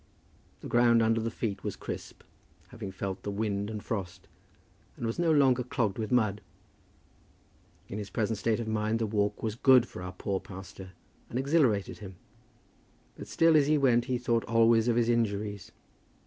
The ground under the feet was crisp, having felt the wind and frost, and was no longer clogged with mud. In his present state of mind the walk was good for our poor pastor, and exhilarated him; but still, as he went, he thought always of his injuries.